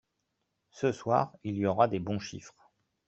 Ce soir, il y aura des bons chiffres